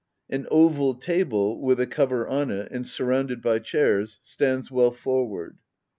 An oval table, with a cover on it, and surrounded by chairs, stands well forward.